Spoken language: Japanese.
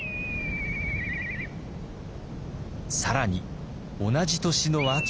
更に同じ年の秋。